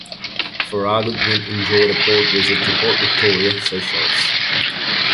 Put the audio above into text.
"Farragut" then enjoyed a port visit to Port Victoria, Seychelles.